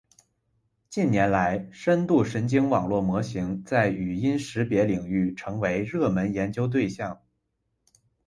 近年来，深度神经网络模型在语音识别领域成为热门研究对象。